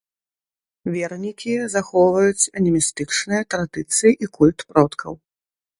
Вернікі захоўваюць анімістычныя традыцыі і культ продкаў.